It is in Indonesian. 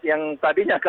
yang tadinya kami sudah